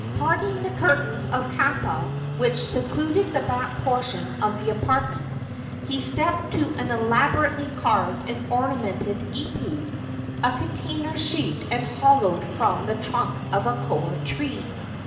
Parting the curtains of kapa which secluded the back portion of the apartment, he stepped to an elaborately carved and ornamented ipu, a container shaped and hollowed from the trunk of a koa tree.